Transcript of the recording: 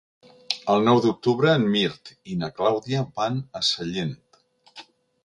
El nou d'octubre en Mirt i na Clàudia van a Sellent.